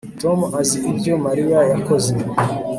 Tom azi ibyo Mariya yakoze